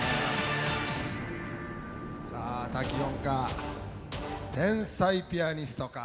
さあ滝音か天才ピアニストか。